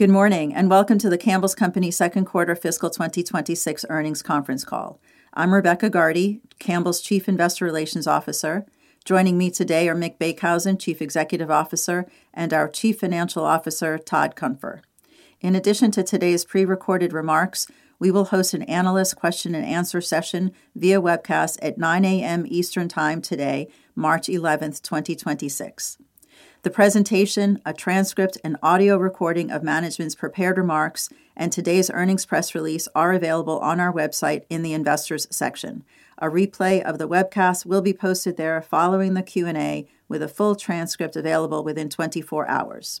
Good morning, welcome to The Campbell's Company second quarter fiscal 2026 earnings conference call. I’m Rebecca Gardy, Campbell's Chief Investor Relations Officer. Joining me today are Mick Beekhuizen, Chief Executive Officer, and our Chief Financial Officer, Todd Cunfer. In addition to today’s prerecorded remarks, we will host an analyst question and answer session via webcast at 9:00 A.M. Eastern time today, March 11, 2026. The presentation, a transcript, an audio recording of management’s prepared remarks, and today’s earnings press release are available on our website in the Investors section. A replay of the webcast will be posted there following the Q&A with a full transcript available within 24 hours.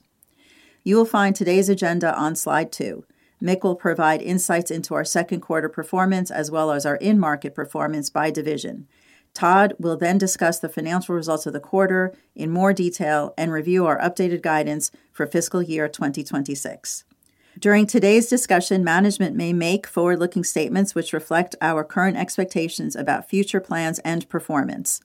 You will find today’s agenda on Slide 2. Mick will provide insights into our second quarter performance as well as our in-market performance by division. Todd will discuss the financial results of the quarter in more detail and review our updated guidance for fiscal year 2026. During today’s discussion, management may make forward-looking statements which reflect our current expectations about future plans and performance.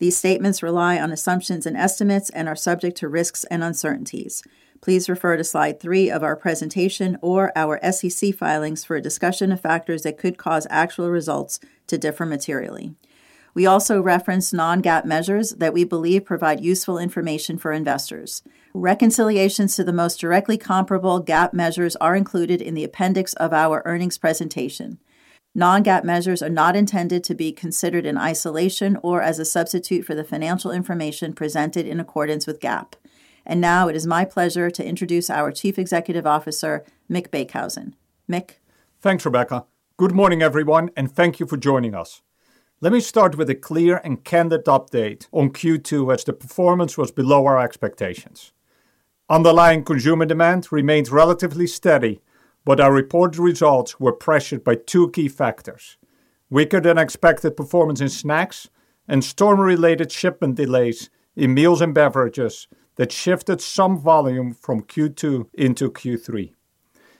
These statements rely on assumptions and estimates and are subject to risks and uncertainties. Please refer to Slide 3 of our presentation or our SEC filings for a discussion of factors that could cause actual results to differ materially. We also reference non-GAAP measures that we believe provide useful information for investors. Reconciliations to the most directly comparable GAAP measures are included in the appendix of our earnings presentation. Non-GAAP measures are not intended to be considered in isolation or as a substitute for the financial information presented in accordance with GAAP. Now it is my pleasure to introduce our Chief Executive Officer, Mick Beekhuizen. Mick? Thanks, Rebecca. Good morning, everyone, thank you for joining us. Let me start with a clear and candid update on Q2 as the performance was below our expectations. Underlying consumer demand remains relatively steady, but our reported results were pressured by two key factors: weaker than expected performance in snacks and storm-related shipment delays in Meals & Beverages that shifted some volume from Q2 into Q3.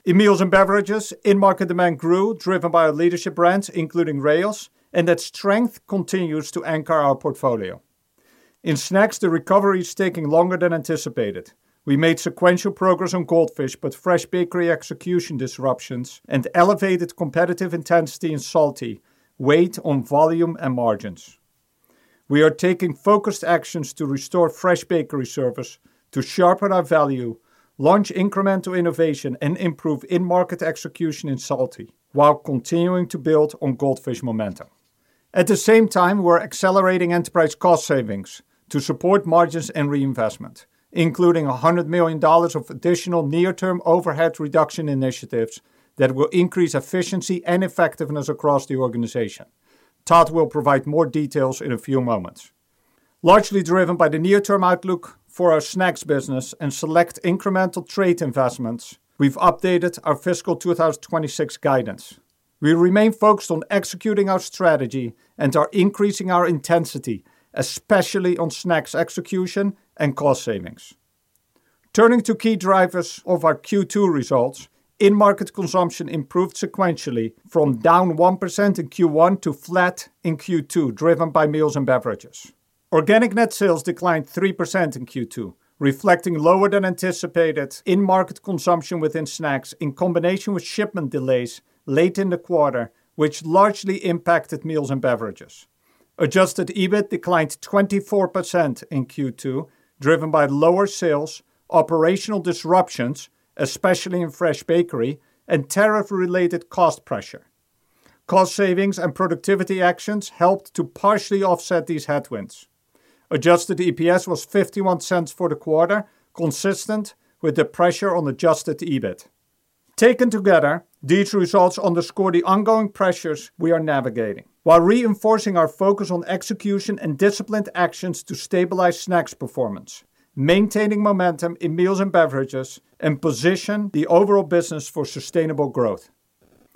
In Meals & Beverages, in-market demand grew, driven by our leadership brands, including Rao's, and that strength continues to anchor our portfolio. In snacks, the recovery is taking longer than anticipated. We made sequential progress on Goldfish, but fresh bakery execution disruptions and elevated competitive intensity in salty weighed on volume and margins. We are taking focused actions to restore fresh bakery service to sharpen our value, launch incremental innovation, and improve in-market execution in salty while continuing to build on Goldfish momentum. At the same time, we’re accelerating enterprise cost savings to support margins and reinvestment, including $100 million of additional near-term overhead reduction initiatives that will increase efficiency and effectiveness across the organization. Todd will provide more details in a few moments. Largely driven by the near-term outlook for our snacks business and select incremental trade investments, we’ve updated our fiscal 2026 guidance. We remain focused on executing our strategy and are increasing our intensity, especially on snacks execution and cost savings. Turning to key drivers of our Q2 results, in-market consumption improved sequentially from down 1% in Q1 to flat in Q2, driven by Meals & Beverages. Organic net sales declined 3% in Q2, reflecting lower than anticipated in-market consumption within snacks in combination with shipment delays late in the quarter, which largely impacted Meals & Beverages. Adjusted EBIT declined 24% in Q2, driven by lower sales, operational disruptions, especially in fresh bakery, and tariff-related cost pressure. Cost savings and productivity actions helped to partially offset these headwinds. Adjusted EPS was $0.51 for the quarter, consistent with the pressure on Adjusted EBIT. Taken together, these results underscore the ongoing pressures we are navigating while reinforcing our focus on execution and disciplined actions to stabilize snacks performance, maintaining momentum in Meals & Beverages, and position the overall business for sustainable growth.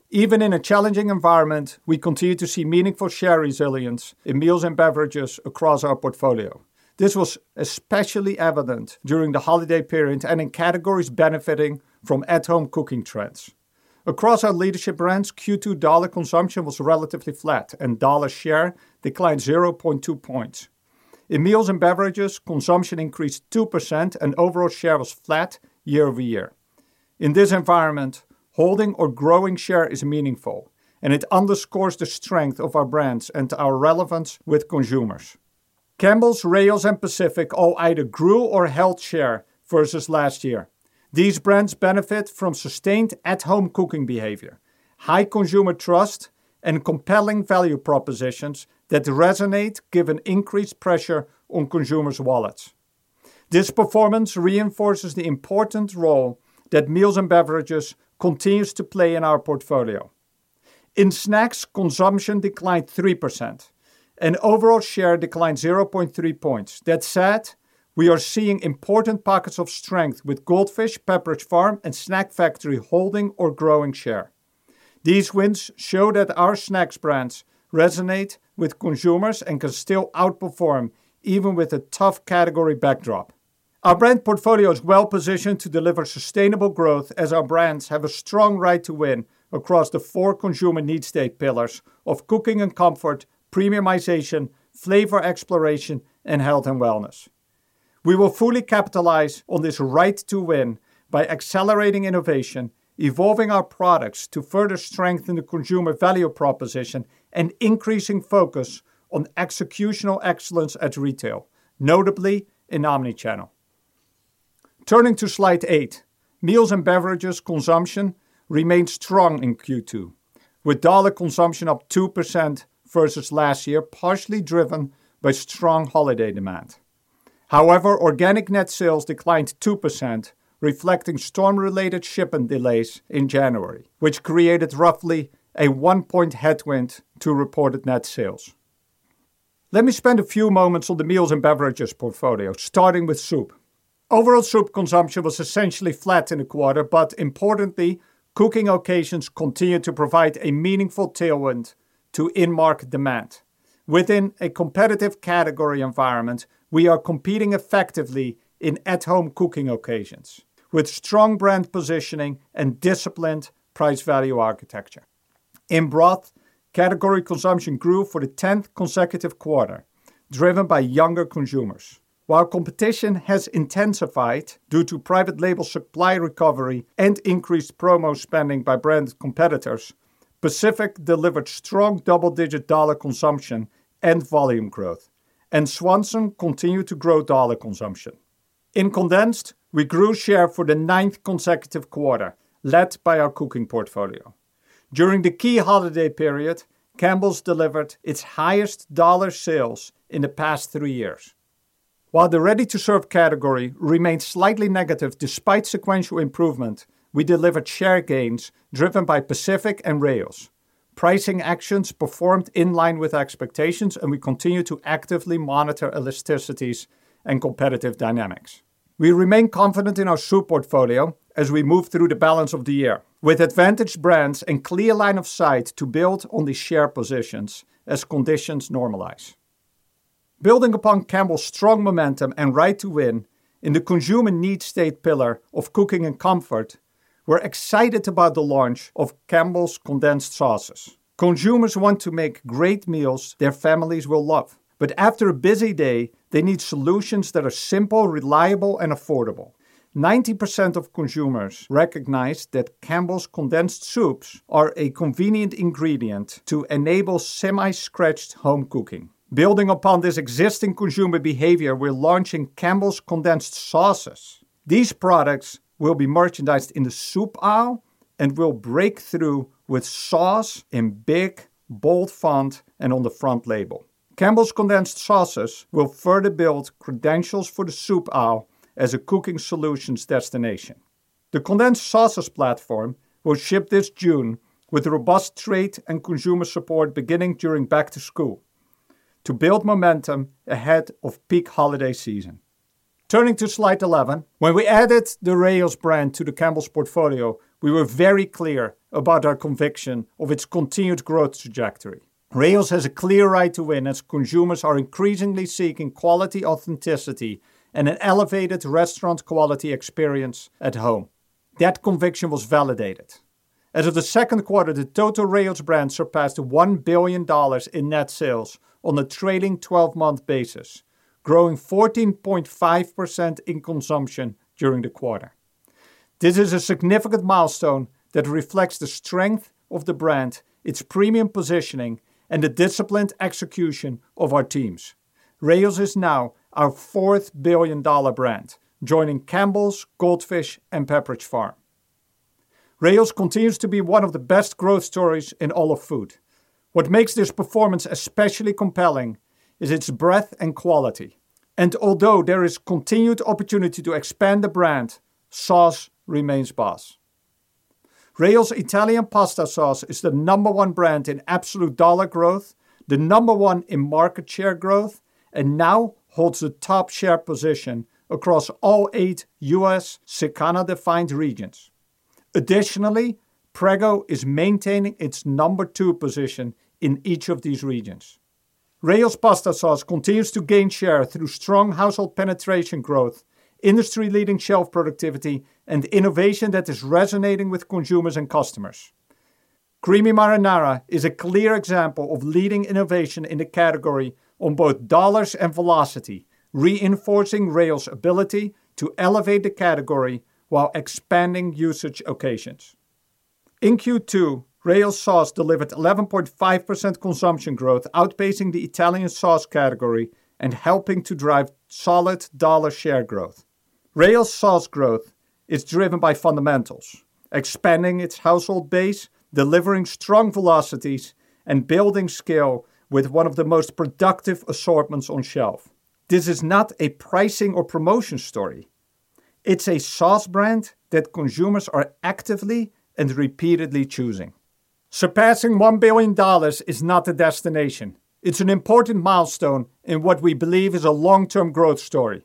Even in a challenging environment, we continue to see meaningful share resilience in Meals & Beverages across our portfolio. This was especially evident during the holiday period and in categories benefiting from at-home cooking trends. Across our leadership brands, Q2 dollar consumption was relatively flat, and dollar share declined 0.2 points. In Meals & Beverages, consumption increased 2%, and overall share was flat year-over-year. In this environment, holding or growing share is meaningful, and it underscores the strength of our brands and our relevance with consumers. Campbell's, Rao's, and Pacific all either grew or held share versus last year. These brands benefit from sustained at-home cooking behavior, high consumer trust, and compelling value propositions that resonate given increased pressure on consumers’ wallets. This performance reinforces the important role that Meals & Beverages continues to play in our portfolio. In snacks, consumption declined 3%, and overall share declined 0.3 points. That said, we are seeing important pockets of strength with Goldfish, Pepperidge Farm, and Snack Factory holding or growing share. These wins show that our snacks brands resonate with consumers and can still outperform even with a tough category backdrop. Our brand portfolio is well positioned to deliver sustainable growth as our brands have a strong right to win across the four consumer need state pillars of cooking and comfort, premiumization, flavor exploration, and health and wellness. We will fully capitalize on this right to win by accelerating innovation, evolving our products to further strengthen the consumer value proposition, and increasing focus on executional excellence at retail, notably in omni-channel. Turning to Slide eight. Meals & Beverages consumption remained strong in Q2, with dollar consumption up 2% versus last year, partially driven by strong holiday demand. However, organic net sales declined 2%, reflecting storm-related shipping delays in January, which created roughly a one-point headwind to reported net sales. Let me spend a few moments on the Meals & Beverages portfolio, starting with soup. Overall soup consumption was essentially flat in the quarter, but importantly, cooking occasions continued to provide a meaningful tailwind to in-market demand. Within a competitive category environment, we are competing effectively in at-home cooking occasions with strong brand positioning and disciplined price-value architecture. In broth, category consumption grew for the 10th consecutive quarter, driven by younger consumers. While competition has intensified due to private label supply recovery and increased promo spending by brand competitors, Pacific delivered strong double-digit dollar consumption and volume growth, and Swanson continued to grow dollar consumption. In condensed, we grew share for the ninth consecutive quarter, led by our cooking portfolio. During the key holiday period, Campbell's delivered its highest dollar sales in the past three years. While the ready-to-serve category remained slightly negative despite sequential improvement, we delivered share gains driven by Pacific and Rao's. Pricing actions performed in line with expectations. We continue to actively monitor elasticities and competitive dynamics. We remain confident in our soup portfolio as we move through the balance of the year with advantage brands and clear line of sight to build on the share positions as conditions normalize. Building upon Campbell's strong momentum and right to win in the consumer need state pillar of cooking and comfort, we're excited about the launch of Campbell's condensed sauces. Consumers want to make great meals their families will love. After a busy day, they need solutions that are simple, reliable, and affordable. 90% of consumers recognize that Campbell's condensed soups are a convenient ingredient to enable semi-scratch home cooking. Building upon this existing consumer behavior, we're launching Campbell's condensed sauces. These products will be merchandised in the soup aisle and will break through with sauce in big, bold font and on the front label. Campbell's condensed sauces will further build credentials for the soup aisle as a cooking solutions destination. The condensed sauces platform will ship this June with robust trade and consumer support beginning during back to school to build momentum ahead of peak holiday season. Turning to Slide 11. When we added the Rao's brand to the Campbell's portfolio, we were very clear about our conviction of its continued growth trajectory. Rao's has a clear right to win as consumers are increasingly seeking quality, authenticity, and an elevated restaurant quality experience at home. That conviction was validated. As of the second quarter, the total Rao's brand surpassed $1 billion in net sales on a trailing 12-month basis, growing 14.5% in consumption during the quarter. This is a significant milestone that reflects the strength of the brand, its premium positioning, and the disciplined execution of our teams. Rao's is now our fourth billion-dollar brand, joining Campbell's, Goldfish, and Pepperidge Farm. Rao's continues to be one of the best growth stories in all of food. Although there is continued opportunity to expand the brand, sauce remains boss. Rao's Italian pasta sauce is the number one brand in absolute dollar growth, the number one in market share growth, and now holds the top share position across all eight U.S. Circana-defined regions. Additionally, Prego is maintaining its number two position in each of these regions. Rao's pasta sauce continues to gain share through strong household penetration growth, industry-leading shelf productivity, and innovation that is resonating with consumers and customers. Creamy Marinara is a clear example of leading innovation in the category on both dollars and velocity, reinforcing Rao's ability to elevate the category while expanding usage occasions. In Q2, Rao's sauce delivered 11.5% consumption growth, outpacing the Italian sauce category and helping to drive solid dollar share growth. Rao's sauce growth is driven by fundamentals, expanding its household base, delivering strong velocities, and building scale with one of the most productive assortments on shelf. This is not a pricing or promotion story. It's a sauce brand that consumers are actively and repeatedly choosing. Surpassing $1 billion is not the destination. It's an important milestone in what we believe is a long-term growth story.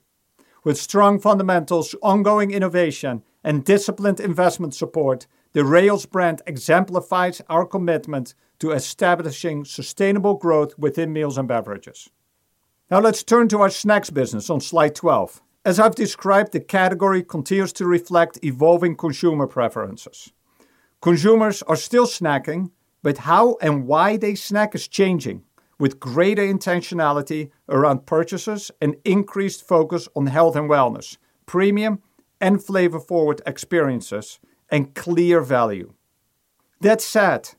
With strong fundamentals, ongoing innovation, and disciplined investment support, the Rao's brand exemplifies our commitment to establishing sustainable growth within Meals & Beverages. Now let's turn to our snacks business on Slide 12. As I've described, the category continues to reflect evolving consumer preferences. Consumers are still snacking, but how and why they snack is changing, with greater intentionality around purchases and increased focus on health and wellness, premium and flavor-forward experiences, and clear value. That said,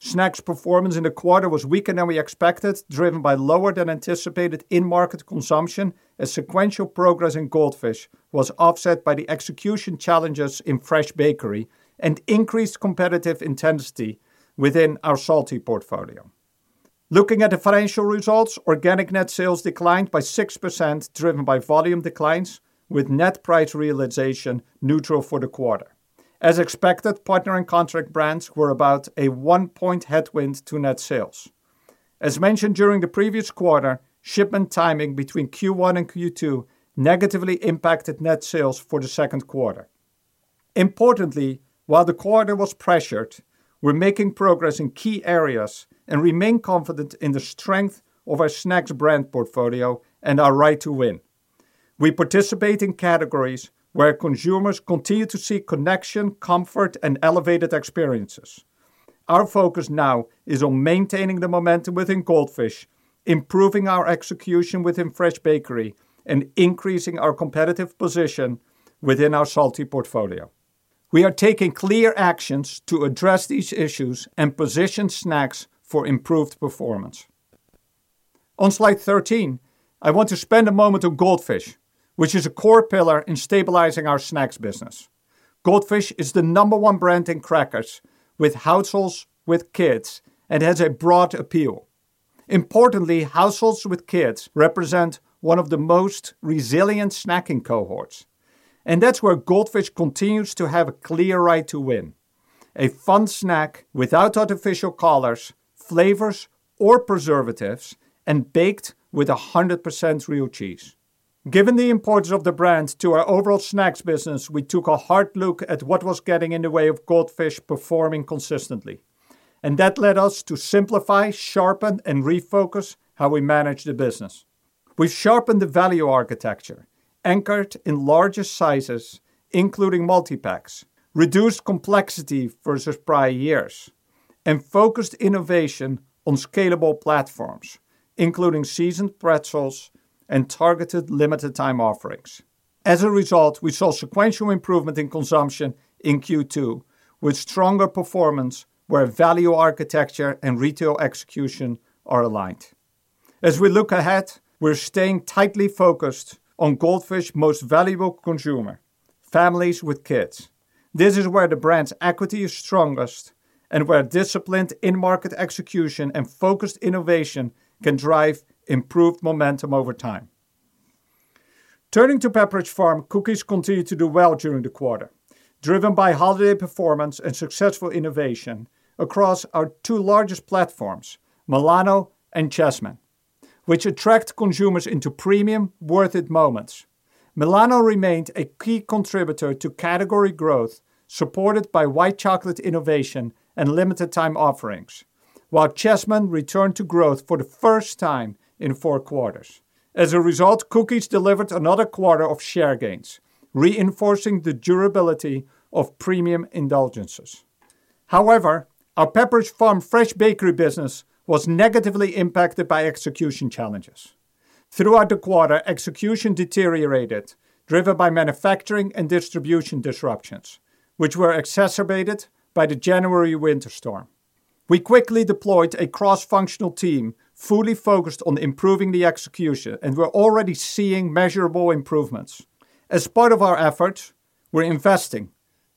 Snacks performance in the quarter was weaker than we expected, driven by lower than anticipated in-market consumption, as sequential progress in Goldfish was offset by the execution challenges in fresh bakery and increased competitive intensity within our salty portfolio. Looking at the financial results, organic net sales declined by 6%, driven by volume declines, with net price realization neutral for the quarter. As expected, partner and contract brands were about a one-point headwind to net sales. As mentioned during the previous quarter, shipment timing between Q1 and Q2 negatively impacted net sales for the second quarter. Importantly, while the quarter was pressured, we're making progress in key areas and remain confident in the strength of our Snacks brand portfolio and our right to win. We participate in categories where consumers continue to seek connection, comfort, and elevated experiences. Our focus now is on maintaining the momentum within Goldfish, improving our execution within fresh bakery, and increasing our competitive position within our salty portfolio. We are taking clear actions to address these issues and position Snacks for improved performance. On slide 13, I want to spend a moment on Goldfish, which is a core pillar in stabilizing our Snacks business. Goldfish is the number one brand in crackers with households with kids and has a broad appeal. Importantly, households with kids represent one of the most resilient snacking cohorts, and that's where Goldfish continues to have a clear right to win. A fun snack without artificial colors, flavors, or preservatives, and baked with 100% real cheese. Given the importance of the brand to our overall Snacks business, we took a hard look at what was getting in the way of Goldfish performing consistently, and that led us to simplify, sharpen, and refocus how we manage the business. We sharpened the value architecture, anchored in larger sizes, including multipacks, reduced complexity versus prior years, and focused innovation on scalable platforms, including seasoned pretzels and targeted limited time offerings. As a result, we saw sequential improvement in consumption in Q2, with stronger performance where value architecture and retail execution are aligned. As we look ahead, we're staying tightly focused on Goldfish most valuable consumer, families with kids. This is where the brand's equity is strongest and where disciplined in-market execution and focused innovation can drive improved momentum over time. Turning to Pepperidge Farm, cookies continued to do well during the quarter, driven by holiday performance and successful innovation across our two largest platforms, Milano and Chessmen, which attract consumers into premium worth it moments. Milano remained a key contributor to category growth, supported by white chocolate innovation and limited time offerings, while Chessmen returned to growth for the first time in four quarters. As a result, cookies delivered another quarter of share gains, reinforcing the durability of premium indulgences. However, our Pepperidge Farm fresh bakery business was negatively impacted by execution challenges. Throughout the quarter, execution deteriorated, driven by manufacturing and distribution disruptions, which were exacerbated by the January winter storm. We quickly deployed a cross-functional team fully focused on improving the execution, and we're already seeing measurable improvements. As part of our efforts, we're investing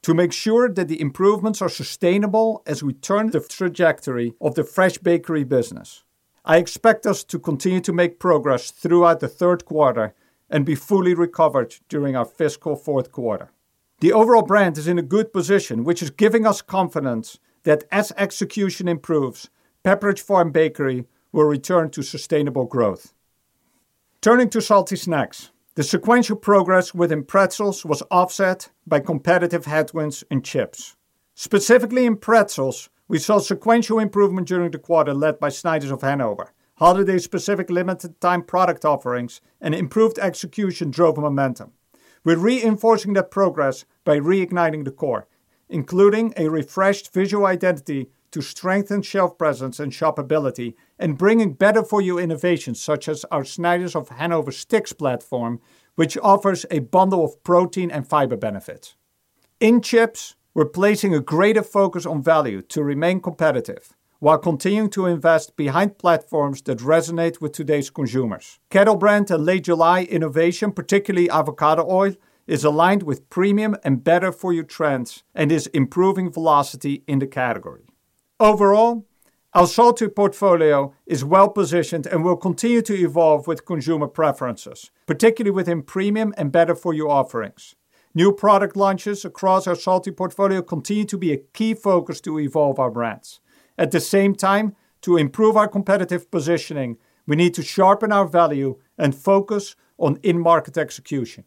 to make sure that the improvements are sustainable as we turn the trajectory of the fresh bakery business. I expect us to continue to make progress throughout the third quarter and be fully recovered during our fiscal fourth quarter. The overall brand is in a good position, which is giving us confidence that as execution improves, Pepperidge Farm Bakery will return to sustainable growth. Turning to salty snacks, the sequential progress within pretzels was offset by competitive headwinds in chips. Specifically in pretzels, we saw sequential improvement during the quarter led by Snyder's of Hanover. Holiday specific limited time product offerings and improved execution drove momentum. We're reinforcing that progress by reigniting the core, including a refreshed visual identity to strengthen shelf presence and shoppability, and bringing better for you innovations such as our Snyder's of Hanover Sticks platform, which offers a bundle of protein and fiber benefits. In chips, we're placing a greater focus on value to remain competitive, while continuing to invest behind platforms that resonate with today's consumers. Kettle Brand and Late July innovation, particularly avocado oil, is aligned with premium and better for you trends and is improving velocity in the category. Overall, our salty portfolio is well-positioned and will continue to evolve with consumer preferences, particularly within premium and better for you offerings. New product launches across our salty portfolio continue to be a key focus to evolve our brands. At the same time, to improve our competitive positioning, we need to sharpen our value and focus on in-market execution.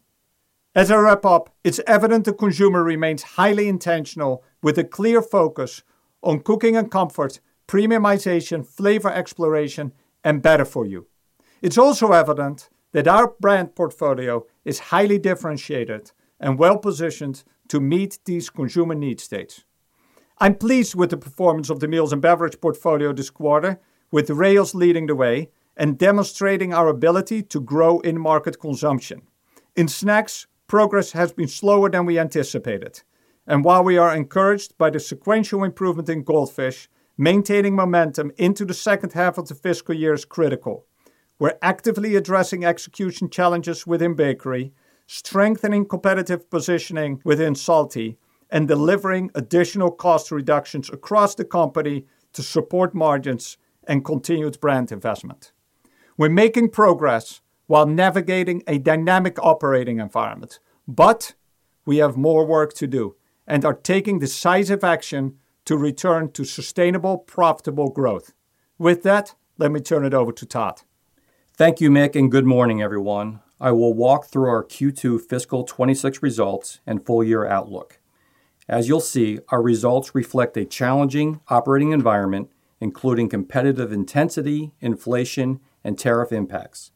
As I wrap up, it's evident the consumer remains highly intentional with a clear focus on cooking and comfort, premiumization, flavor exploration, and better for you. It's also evident that our brand portfolio is highly differentiated and well-positioned to meet these consumer need states. I'm pleased with the performance of the Meals & Beverages portfolio this quarter, with Rao's leading the way and demonstrating our ability to grow in market consumption. In snacks, progress has been slower than we anticipated, and while we are encouraged by the sequential improvement in Goldfish, maintaining momentum into the second half of the fiscal year is critical. We're actively addressing execution challenges within bakery, strengthening competitive positioning within salty, and delivering additional cost reductions across the company to support margins and continued brand investment. We're making progress while navigating a dynamic operating environment, but we have more work to do and are taking decisive action to return to sustainable, profitable growth. With that, let me turn it over to Todd. Thank you, Mick, and good morning, everyone. I will walk through our Q2 fiscal 2026 results and full year outlook. As you will see, our results reflect a challenging operating environment, including competitive intensity, inflation, and tariff impacts.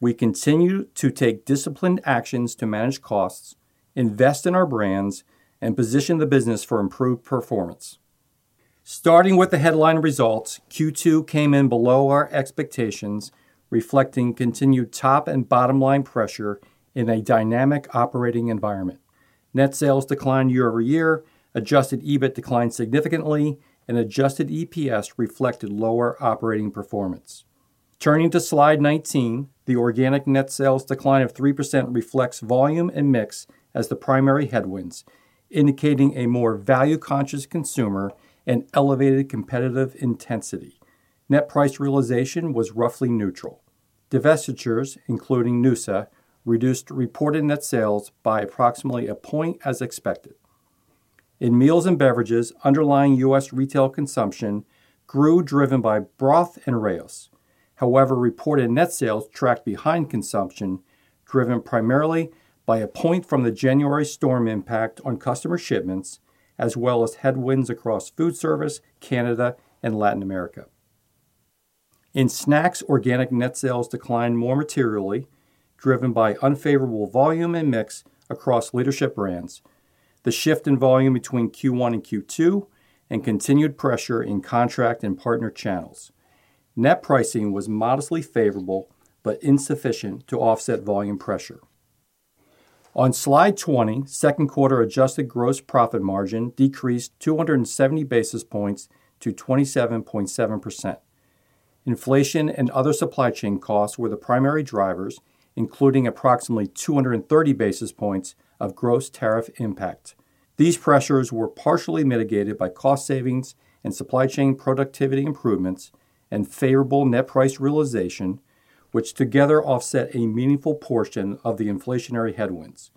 We continue to take disciplined actions to manage costs, invest in our brands, and position the business for improved performance. Starting with the headline results, Q2 came in below our expectations, reflecting continued top and bottom line pressure in a dynamic operating environment. Net sales declined year-over-year, Adjusted EBIT declined significantly, and Adjusted EPS reflected lower operating performance. Turning to slide 19, the organic net sales decline of 3% reflects volume and mix as the primary headwinds, indicating a more value conscious consumer and elevated competitive intensity. Net price realization was roughly neutral. Divestitures, including Noosa, reduced reported net sales by approximately a point as expected. In Meals and Beverages, underlying U.S. retail consumption grew, driven by broth and Rao's. However, reported net sales tracked behind consumption, driven primarily by a point from the January storm impact on customer shipments, as well as headwinds across food service, Canada, and Latin America. In snacks, organic net sales declined more materially, driven by unfavorable volume and mix across leadership brands. The shift in volume between Q1 and Q2 and continued pressure in contract and partner channels. Net pricing was modestly favorable but insufficient to offset volume pressure. On slide 20, second quarter Adjusted gross profit margin decreased 270 basis points to 27.7%. Inflation and other supply chain costs were the primary drivers, including approximately 230 basis points of gross tariff impact. These pressures were partially mitigated by cost savings and supply chain productivity improvements and favorable net price realization, which together offset a meaningful portion of the inflationary headwinds.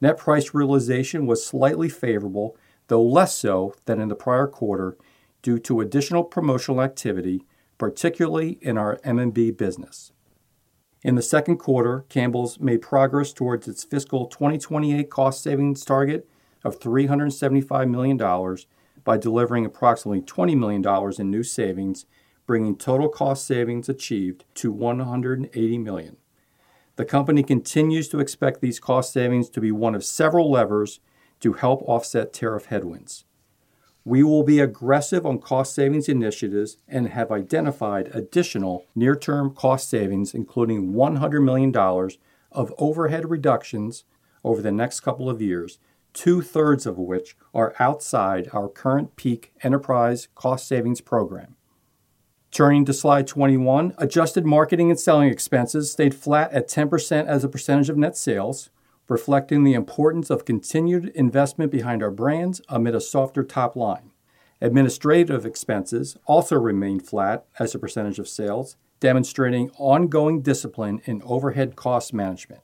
Net price realization was slightly favorable, though less so than in the prior quarter, due to additional promotional activity, particularly in our M&B business. In the second quarter, Campbell's made progress towards its fiscal 2028 cost savings target of $375 million by delivering approximately $20 million in new savings, bringing total cost savings achieved to $180 million. The company continues to expect these cost savings to be one of several levers to help offset tariff headwinds. We will be aggressive on cost savings initiatives and have identified additional near-term cost savings, including $100 million of overhead reductions over the next couple of years, two-thirds of which are outside our current peak enterprise cost savings program. Turning to slide 21, Adjusted marketing and selling expenses stayed flat at 10% as a percentage of net sales, reflecting the importance of continued investment behind our brands amid a softer top line. Administrative expenses also remained flat as a percentage of sales, demonstrating ongoing discipline in overhead cost management.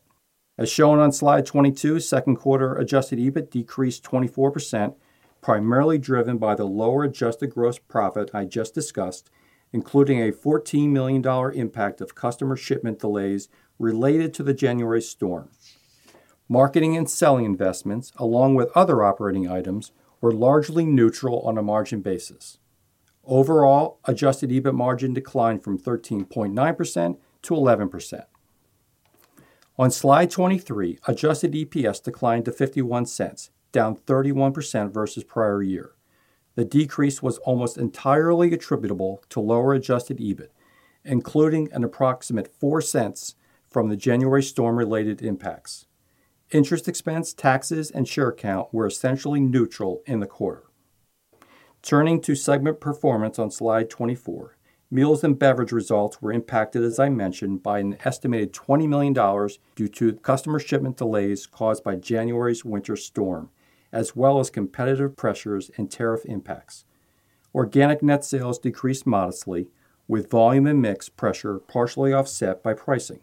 As shown on slide 22, second quarter Adjusted EBIT decreased 24%, primarily driven by the lower Adjusted gross profit I just discussed, including a $14 million impact of customer shipment delays related to the January storm. Marketing and selling investments, along with other operating items, were largely neutral on a margin basis. Overall, Adjusted EBIT margin declined from 13.9% to 11%. On slide 23, Adjusted EPS declined to $0.51, down 31% versus prior-year. The decrease was almost entirely attributable to lower Adjusted EBIT, including an approximate $0.04 from the January storm-related impacts. Interest expense, taxes, and share count were essentially neutral in the quarter. Turning to segment performance on slide 24, Meals & Beverages results were impacted, as I mentioned, by an estimated $20 million due to customer shipment delays caused by January's winter storm, as well as competitive pressures and tariff impacts. Organic net sales decreased modestly with volume and mix pressure partially offset by pricing.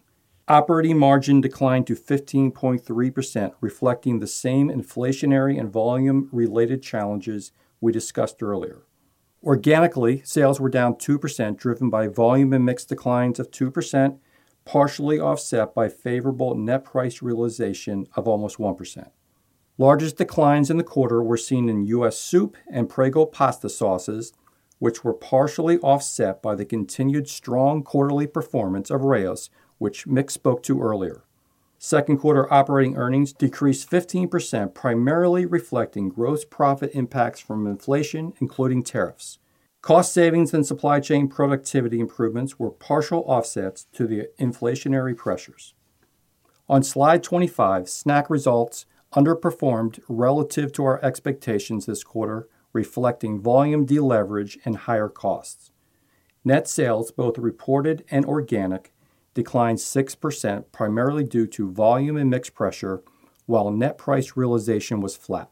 Operating margin declined to 15.3%, reflecting the same inflationary and volume-related challenges we discussed earlier. Organically, sales were down 2%, driven by volume and mix declines of 2%, partially offset by favorable net price realization of almost 1%. Largest declines in the quarter were seen in U.S. soup and Prego pasta sauces, which were partially offset by the continued strong quarterly performance of Rao's, which Mick spoke to earlier. Second quarter operating earnings decreased 15%, primarily reflecting gross profit impacts from inflation, including tariffs. Cost savings and supply chain productivity improvements were partial offsets to the inflationary pressures. On slide 25, snack results underperformed relative to our expectations this quarter, reflecting volume deleverage and higher costs. Net sales, both reported and organic, declined 6%, primarily due to volume and mix pressure while net price realization was flat.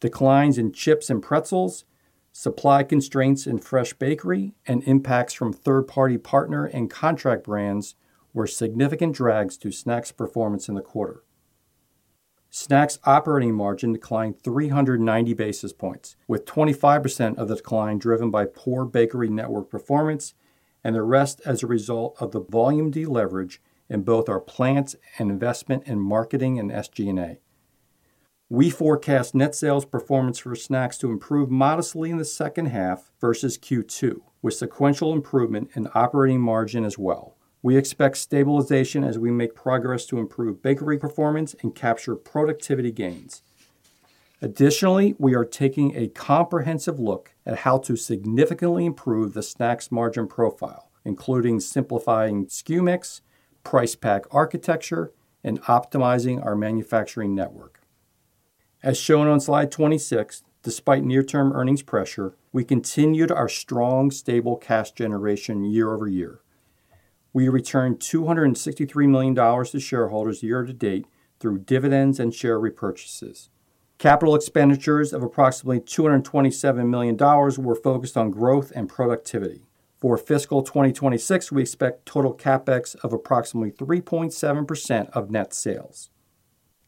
Declines in chips and pretzels, supply constraints in fresh bakery, and impacts from third-party partner and contract brands were significant drags to snacks performance in the quarter. Snacks operating margin declined 390 basis points, with 25% of the decline driven by poor bakery network performance and the rest as a result of the volume deleverage in both our plants and investment in marketing and SG&A. We forecast net sales performance for snacks to improve modestly in the second half versus Q2, with sequential improvement in operating margin as well. We expect stabilization as we make progress to improve bakery performance and capture productivity gains. Additionally, we are taking a comprehensive look at how to significantly improve the snacks margin profile, including simplifying SKU mix, price pack architecture, and optimizing our manufacturing network. As shown on Slide 26, despite near-term earnings pressure, we continued our strong, stable cash generation year-over-year. We returned $263 million to shareholders year to date through dividends and share repurchases. Capital expenditures of approximately $227 million were focused on growth and productivity. For fiscal 2026, we expect total CapEx of approximately 3.7% of net sales.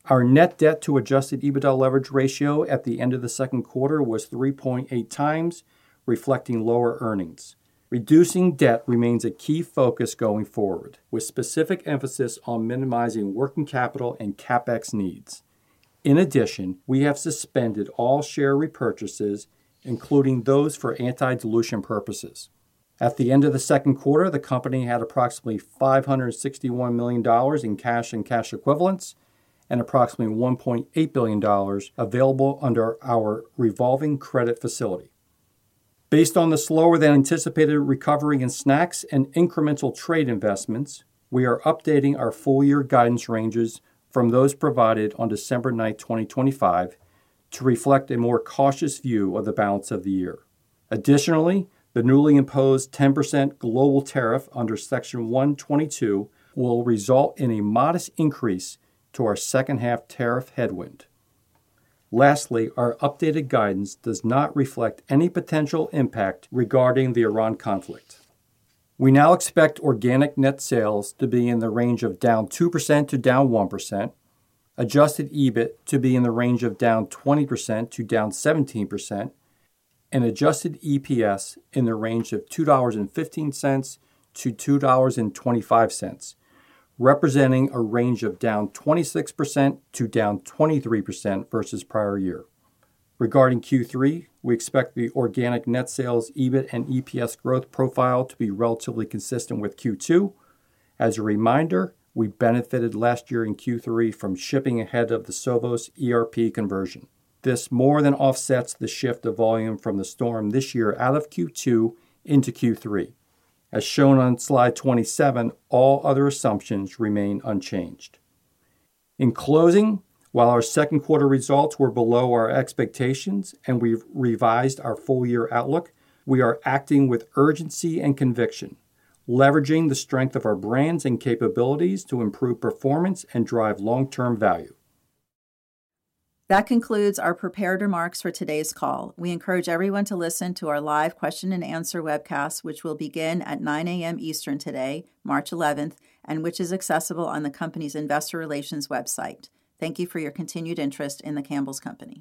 Our net debt to Adjusted EBITDA leverage ratio at the end of the second quarter was 3.8 times, reflecting lower earnings. Reducing debt remains a key focus going forward, with specific emphasis on minimizing working capital and CapEx needs. In addition, we have suspended all share repurchases, including those for anti-dilution purposes. At the end of the second quarter, the company had approximately $561 million in cash and cash equivalents and approximately $1.8 billion available under our revolving credit facility. Based on the slower-than-anticipated recovery in snacks and incremental trade investments, we are updating our full year guidance ranges from those provided on December 9, 2025 to reflect a more cautious view of the balance of the year. Additionally, the newly imposed 10% global tariff under Section 122 will result in a modest increase to our second half tariff headwind. Lastly, our updated guidance does not reflect any potential impact regarding the Iran conflict. We now expect organic net sales to be in the range of down 2% to down 1%, Adjusted EBIT to be in the range of down 20% to down 17%, and Adjusted EPS in the range of $2.15 to $2.25, representing a range of down 26% to down 23% versus prior year. Regarding Q3, we expect the organic net sales, EBIT, and EPS growth profile to be relatively consistent with Q2. As a reminder, we benefited last year in Q3 from shipping ahead of the Sovos ERP conversion. This more than offsets the shift of volume from the storm this year out of Q2 into Q3. As shown on Slide 27, all other assumptions remain unchanged. In closing, while our second quarter results were below our expectations and we've revised our full year outlook, we are acting with urgency and conviction, leveraging the strength of our brands and capabilities to improve performance and drive long-term value. That concludes our prepared remarks for today's call. We encourage everyone to listen to our live question and answer webcast, which will begin at 9:00 A.M. Eastern today, March 11th, and which is accessible on the company's investor relations website. Thank you for your continued interest in The Campbell's Company.